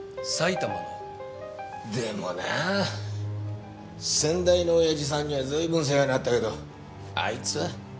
でもなぁ先代の親父さんには随分世話になったけどあいつは。